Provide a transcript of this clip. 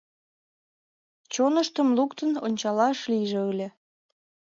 Чоныштым луктын ончалаш лийже ыле!